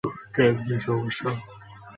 কেন কী সমস্যা?